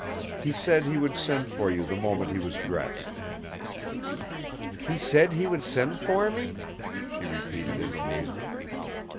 "He said he would send for you the moment he was dressed." "He said he would send for me!" she repeated in amazement.